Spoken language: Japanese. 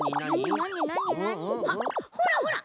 あっほらほら！